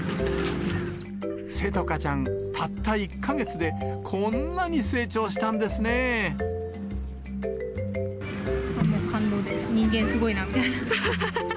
せとかちゃん、たった１か月で、もう感動です、人間すごいなみたいな。